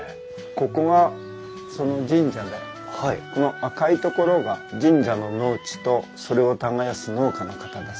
ここがその神社でこの赤いところが神社の農地とそれを耕す農家の方です。